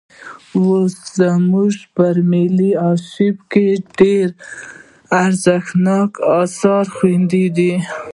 اوس زموږ په ملي ارشیف کې ډېر ارزښتناک اثار خوندي دي.